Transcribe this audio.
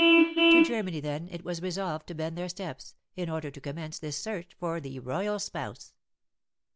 To Germany, then, it was resolved to bend their steps, in order to commence this search for the royal spouse.